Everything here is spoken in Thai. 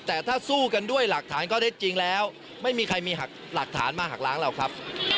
แต่ถ้าสู้กันด้วยหลักฐานก็ได้จริงแล้วไม่มีใครมีหลักฐานมาหักล้างเราครับ